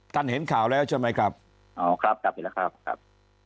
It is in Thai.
ท่านเห็นข่าวแล้วใช่ไหมครับอ๋อครับครับอีกแล้วครับ